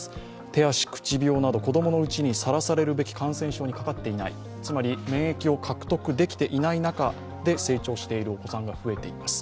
手足口病など子供のうちにさらされるべき感染症にかかっていない、つまり、免疫を獲得できていない中で成長しているお子さんが増えています。